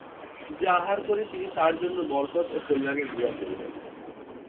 যা আহার করে তিনি তার জন্যে বরকত ও কল্যাণের দুআ করবেন।